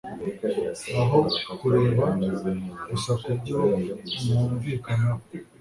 aho kureba gusa ku byo mwumvikanaho